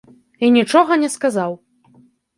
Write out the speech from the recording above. І нічога не сказаў.